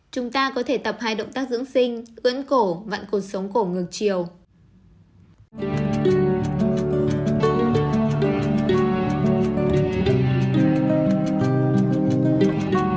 chúng ta có thể tập hai động tác dưỡng sinh ưỡn cổ vặn cột sống cổ ngược chiều